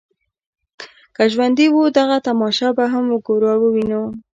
که ژوندي وو دغه تماشه به هم وګورو او وینو.